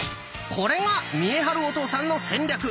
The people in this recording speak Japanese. これが見栄晴お父さんの戦略！